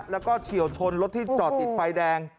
แล้วก็เฉียวชนรถที่จอดติดไฟแดง